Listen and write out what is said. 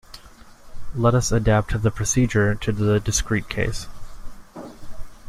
Let us adapt the procedure to the discrete case.